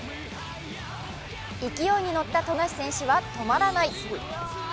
勢いに乗った富樫選手は止まらない。